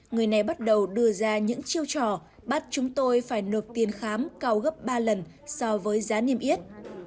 người này bắt đầu đưa ra những chiêu trò bắt chúng tôi phải nộp tiền khám cao gấp ba lần so với giá niêm yết